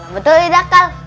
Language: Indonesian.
betul gak kan